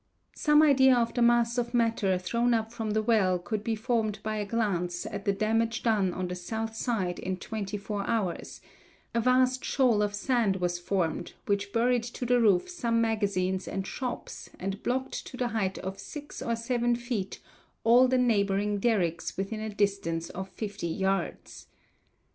Some idea of the mass of matter thrown up from the well could be formed by a glance at the damage done on the south side in twenty four hours; a vast shoal of sand was formed, which buried to the roof some magazines and shops and blocked to the height of six or seven feet all the neighboring derricks within a distance of 50 yards....